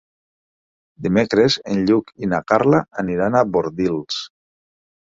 Dimecres en Lluc i na Carla aniran a Bordils.